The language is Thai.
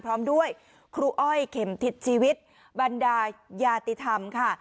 พร้อมด้วยครูอ้อยเข็มทิศชีวิตบรรดายาติธรรมค่ะ